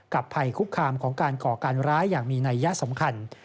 ภัยคุกคามของการก่อการร้ายอย่างมีนัยยะสำคัญ